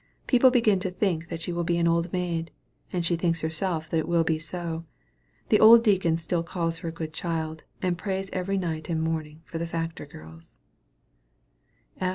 People begin to think she will be an old maid, and she thinks herself that it will be so. The old deacon still calls her a good child, and prays every night and morning for the factory girls.